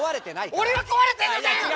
俺は壊れてんのかよ！